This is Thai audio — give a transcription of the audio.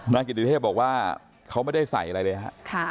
กิติเทพบอกว่าเขาไม่ได้ใส่อะไรเลยฮะ